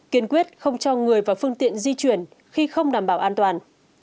kiên quyết không cho người và phương tiện di chuyển khi không đảm bảo an toàn